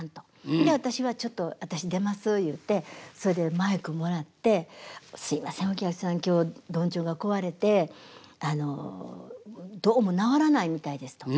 で私は「ちょっと私出ます」言うてそれでマイクもらって「すいませんお客さん今日どんちょうが壊れてあのどうも直らないみたいです」と。うん。